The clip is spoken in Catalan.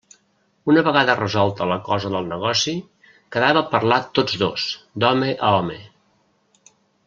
Una vegada resolta la cosa del negoci, quedava parlar tots dos, d'home a home.